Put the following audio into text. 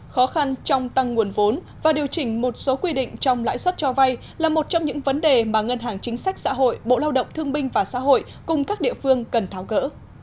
khó khăn trong tăng nguồn vốn và điều chỉnh một số quy định trong lãi suất cho vay là một trong những vấn đề mà ngân hàng chính sách xã hội bộ lao động thương binh và xã hội cùng các địa phương cần tháo gỡ